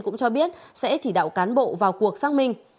cũng cho biết sẽ chỉ đạo cán bộ vào cuộc xác minh